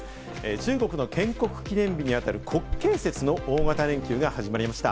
中国の建国記念日にあたる国慶節の大型連休が始まりました。